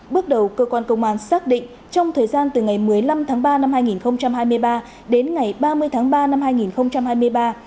bước đầu cơ quan công an xác định trong thời gian từ ngày một mươi năm tháng ba năm hai nghìn hai mươi ba đến ngày ba mươi tháng ba năm hai nghìn hai mươi ba